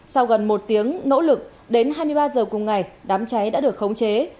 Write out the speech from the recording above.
sau gần một tiếng nỗ lực đến hai mươi ba h cùng ngày đám cháy đã được khống chế